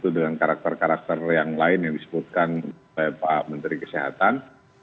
dengan karakter karakter yang lain yang disebutkan oleh pak menteri kesehatan